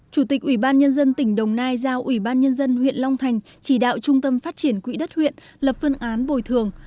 chủ tịch ủy ban nhân dân tỉnh đồng nai giao ủy ban nhân dân huyện long thành chỉ đạo trung tâm phát triển quỹ đất huyện lập phương án bồi thường